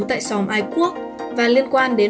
tại xóm ai quốc và liên quan đến